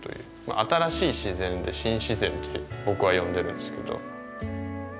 新しい自然で「新自然」って僕は呼んでるんですけど。